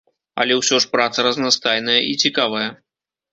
Але ўсё ж праца разнастайная і цікавая.